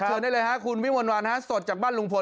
เซอร์ได้เลยห้ะคุณวิมวันวาซนหาส่อยจากบ้านลุงผลฯครับ